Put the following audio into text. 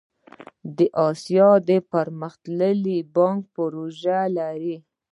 د اسیا پرمختیایی بانک پروژې لري